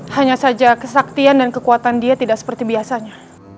hanya saja kesaktian dan kekuatan dia tidak seperti biasanya